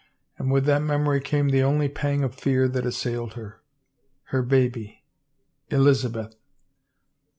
And with that memory came the only pang of fear that assailed her. Her baby, Elizabeth!